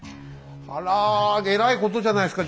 あらえらいことじゃないですか。